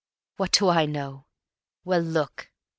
What do I know ... Well, look!